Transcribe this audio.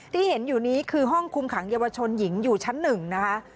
ที่เห็นอยู่นี้คือห้องคุมขังเยาวชนหญิงอยู่ชั้น๑นะคะ